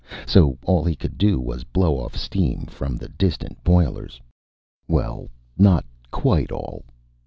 so all he could do was blow off steam from the distant boilers. Well, not quite all.